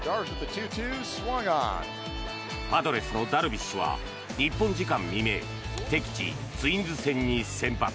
パドレスのダルビッシュは日本時間未明敵地ツインズ戦に先発。